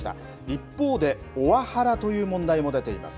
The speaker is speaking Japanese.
一方で、オワハラという問題も出ています。